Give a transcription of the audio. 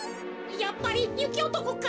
やっぱりゆきおとこか？